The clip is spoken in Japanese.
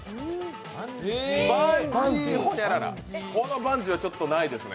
このバンジーはちょっとないですね。